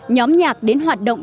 nhóm nhạc đến hoạt động